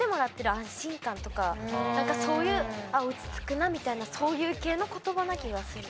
なんかそういう「落ち着くな」みたいなそういう系の言葉な気がする。